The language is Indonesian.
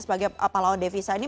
sebagai apalagi devisa ini